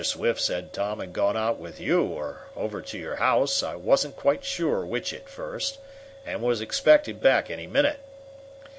Swift said Tom had gone out with you, or over to your house I wasn't quite sure which at first and was expected back any minute.